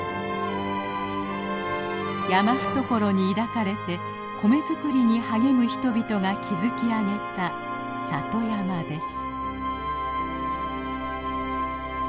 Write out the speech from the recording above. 山懐に抱かれて米作りに励む人々が築き上げた里山です。